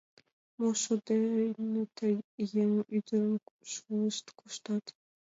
Мо шот дене тый еҥ ӱдырым шолышт коштат?